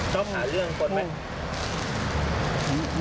ต้องหาเรื่องคนไหม